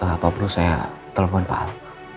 apa perlu saya telepon pak al